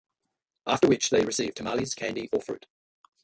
After which they receive tamales, candy or fruit.